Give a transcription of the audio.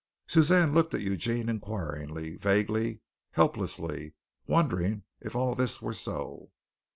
Suzanne looked at Eugene inquiringly, vaguely, helplessly, wondering if all this were so.